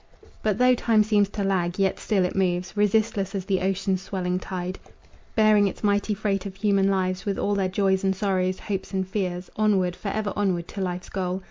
But though time seems to lag, yet still it moves, Resistless as the ocean's swelling tide, Bearing its mighty freight of human lives With all their joys and sorrows, hopes and fears, Onward, forever onward, to life's goal.